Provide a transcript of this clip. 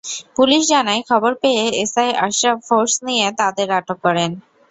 Police জানায়, খবর পেয়ে এসআই আশরাফ ফোর্স নিয়ে তাঁদের আটক করেন।